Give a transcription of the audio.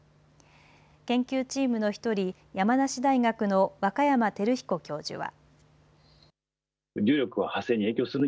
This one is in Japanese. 研究チームの１人、山梨大学の若山照彦教授は。